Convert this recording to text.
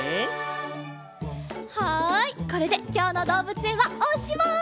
はいこれできょうのどうぶつえんはおしまい！